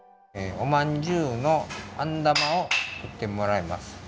おまんじゅうのあんだまを作ってもらいます。